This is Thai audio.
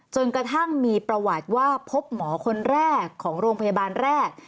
จนกระทั่งมีประวัติว่าพบหมอคนแรกของโรงพยาบาลแรก